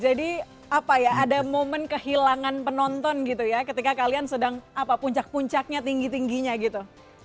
jadi apa ya ada momen kehilangan penonton gitu ya ketika kalian sedang apa puncak puncaknya tinggi tingginya gitu